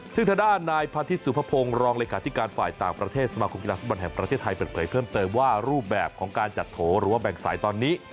ซึ่งทางด้านนายพาทิตยสุภพงศ์รองเลขาธิการฝ่ายต่างประเทศสมาคมกีฬาฟุตบอลแห่งประเทศไทยเปิดเผยเพิ่มเติมว่ารูปแบบของการจัดโถหรือว่าแบ่งสายตอนนี้